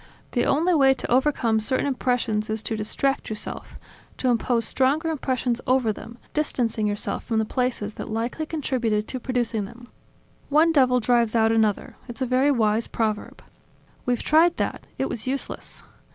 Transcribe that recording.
The only way to overcome certain impressions is to distract yourself, to impose stronger impressions over them, distancing yourself from the places that likely contributed to producing them. One devil drives out another: it's a very wise proverb." "We've tried that; it was useless.